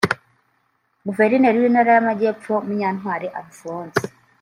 Guvenireri w’Intara y’Amajyepfo Munyantwari Alphonse